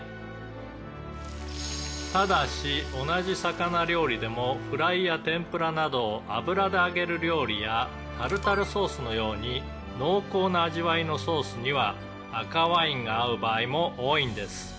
「ただし同じ魚料理でもフライや天ぷらなど油で揚げる料理やタルタルソースのように濃厚な味わいのソースには赤ワインが合う場合も多いんです」